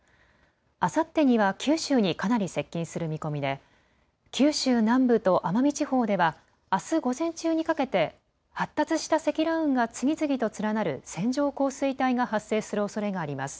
あさってには九州にかなり接近する見込みで九州南部と奄美地方ではあす午前中にかけて発達した積乱雲が次々と連なる線状降水帯が発生するおそれがあります。